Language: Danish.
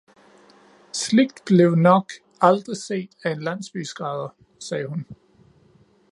Sligt blev nok aldrig set af en landsbyskrædder, sagde hun